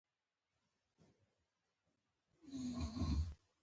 ګل حمید خان مقاومت وکړ او اقرار يې ونه کړ